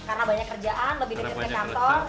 karena banyak kerjaan lebih dekat kantor